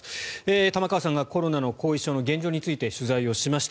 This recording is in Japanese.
玉川さんがコロナの後遺症の現状について取材をしました。